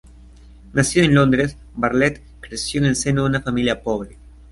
Nacido en Londres, Bartlett creció en el seno de una familia pobre.